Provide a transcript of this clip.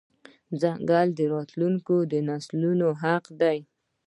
ځنګل د راتلونکو نسلونو حق دی.